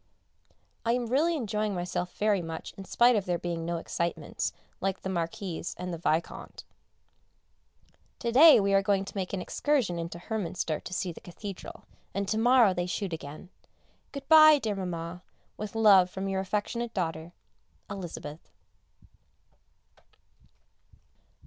I am really enjoying myself very much in spite of there being no excitements, like the Marquis and the Vicomte. To day we are going to make an excursion into Hernminster to see the Cathedral, and to morrow they shoot again. Good bye, dear Mamma, with love from your affectionate daughter, Elizabeth.